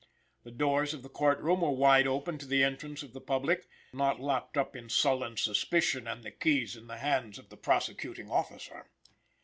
The doors of the court room were wide open to the entrance of the public, not locked up in sullen suspicion, and the keys in the hands of the prosecuting officer.